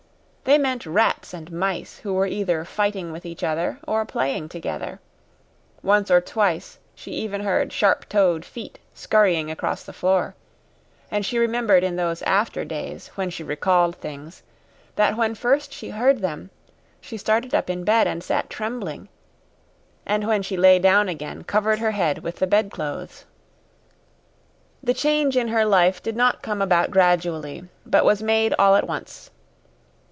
They meant rats and mice who were either fighting with each other or playing together. Once or twice she even heard sharp toed feet scurrying across the floor, and she remembered in those after days, when she recalled things, that when first she heard them she started up in bed and sat trembling, and when she lay down again covered her head with the bedclothes. The change in her life did not come about gradually, but was made all at once.